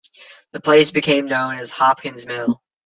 The place became known as "Hopkins Mill".